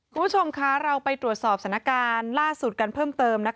คุณผู้ชมคะเราไปตรวจสอบสถานการณ์ล่าสุดกันเพิ่มเติม